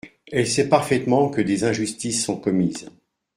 Elle sait parfaitement que des injustices sont commises.